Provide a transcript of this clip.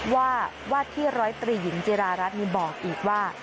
ว่าวัดที่๑๐๓หญิงจิรารัสมีบอกอีกว่า